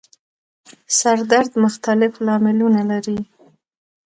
سر درد مختلف لاملونه لري